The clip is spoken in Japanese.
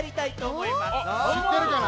しってるかな？